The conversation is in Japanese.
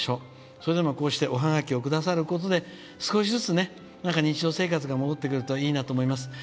それでもハガキをくださることで少しずつでも日常生活が戻ってくるといいなと思います。